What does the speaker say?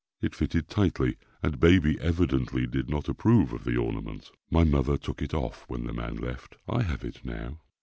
It fitted tightly and baby evidently did not approve of the ornament. My mother took it off when the man left. I have it now.